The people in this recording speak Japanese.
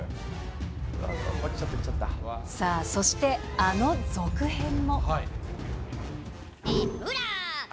そして、あの続編も。